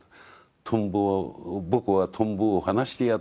トンボを僕はトンボを放してやった。